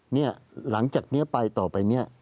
หลังจากนี้ไปต่อไปเนี่ย